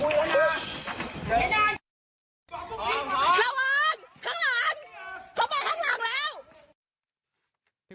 คลังล้างเข้ามาข้างหลังแล้ว